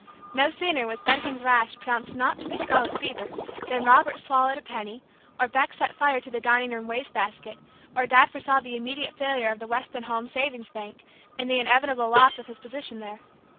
No sooner was Duncan's rash pronounced not to be scarlet fever than Robert swallowed a penny, or Beck set fire to the dining room waste basket, or Dad foresaw the immediate failure of the Weston Home Savings Bank, and the inevitable loss of his position there.